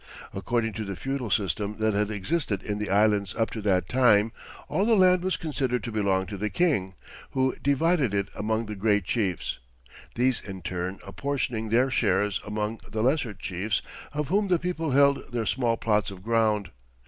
According to the feudal system that had existed in the Islands up to that time, all the land was considered to belong to the king, who divided it among the great chiefs, these in turn apportioning their shares among the lesser chiefs, of whom the people held their small plots of ground.